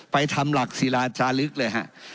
ไปทำหลักศิราจาลึกเลยฮะ